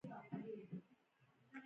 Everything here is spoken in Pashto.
افغانستان یو اسلامي هیواد دی